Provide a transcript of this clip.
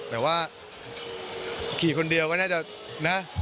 แต่ว่าขี่คนเดียวก็น่าจะนะ